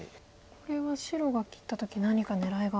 これは白が切った時何か狙いが？